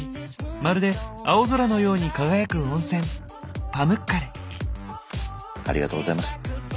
まるで青空のように輝く温泉ありがとうございます。